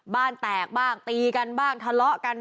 บ้านแตกบ้างตีกันบ้างทะเลาะกัน